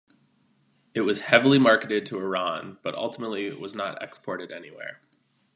It was heavily marketed to Iran but ultimately was not exported anywhere.